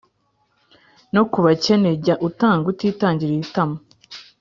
No ku bakene, jya utanga utitangiriye itama,